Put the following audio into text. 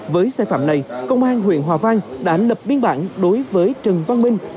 với xe phạm này công an huyện hòa vang đã ảnh lập biên bản đối với trần văn minh